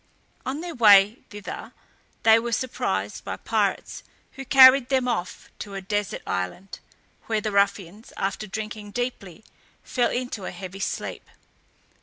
On their way thither they were surprised by pirates, who carried them off to a desert island, where the ruffians, after drinking deeply, fell into a heavy sleep.